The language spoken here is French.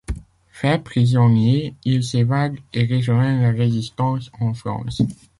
Fait prisonnier, il s'évade et rejoint la résistance en France.